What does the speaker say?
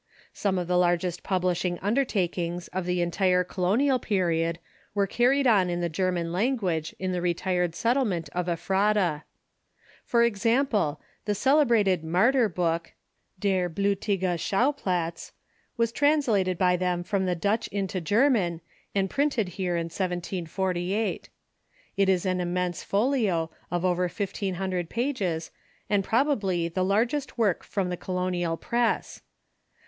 Some of the largest pub 580 THE CHURCH IX THE UNITED STATES Hshing ixndertakings of the entire Colonial period were car ried on in the German language in the retired settlement of Ephrata, For example, the celebrated Martyr Book ("Der Blutige Schau Platz") was translated by them from the Dutch into German, and printed here in 1748. It is an immense folio, of over fifteen hundred pages, and probably the largest work from the colonial press.